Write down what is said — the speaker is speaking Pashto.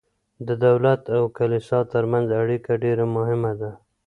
د دولت او کلیسا ترمنځ اړیکه ډیره مهمه ده.